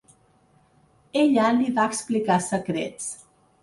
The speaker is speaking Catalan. Ella li va explicar secrets.